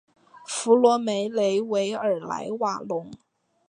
弗罗梅雷维尔莱瓦隆。